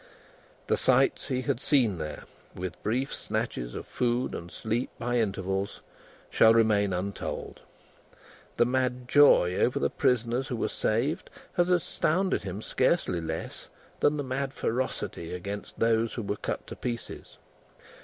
The sights he had seen there, with brief snatches of food and sleep by intervals, shall remain untold. The mad joy over the prisoners who were saved, had astounded him scarcely less than the mad ferocity against those who were cut to pieces.